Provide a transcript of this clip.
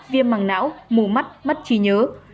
viêm mằng não mù mắt mất trí nhớ